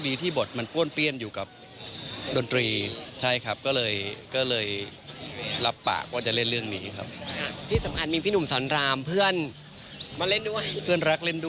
การมีลูกก็สนุกไปอีกแบบหนึ่ง